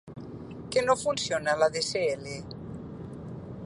Que no et funciona l'ADSL?